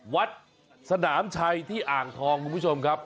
วัดสนามชัยที่อ่างทองคุณผู้ชมครับ